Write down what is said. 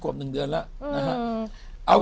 ขวบ๑เดือนแล้ว